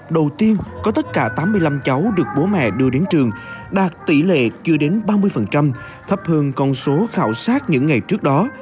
đầu tiên có tất cả tám mươi năm cháu được bố mẹ đưa đến trường đạt tỷ lệ chưa đến ba mươi thấp hơn con số khảo sát những ngày trước đó